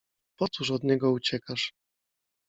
Po cóż od niego uciekasz?